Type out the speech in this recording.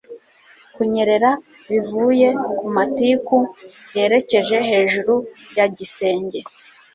Kunyerera bivuye kumatiku yerekeje hejuru ya gisenge